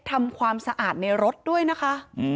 ทำความสะอาดในรถด้วยนะคะ